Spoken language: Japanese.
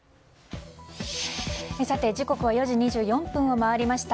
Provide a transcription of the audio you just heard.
時刻は４時２４分を回りました。